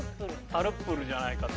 タルップルじゃないかと。